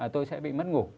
tôi sẽ bị mất ngủ